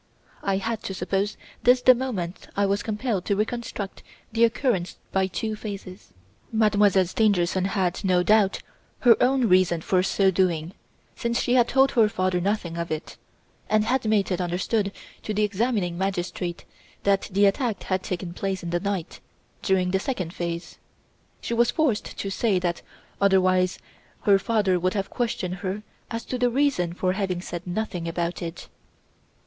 I had to suppose this the moment I was compelled to reconstruct the occurrence by two phases. Mademoiselle Stangerson had, no doubt, her own reasons for so doing, since she had told her father nothing of it, and had made it understood to the examining magistrate that the attack had taken place in the night, during the second phase. She was forced to say that, otherwise her father would have questioned her as to her reason for having said nothing about it.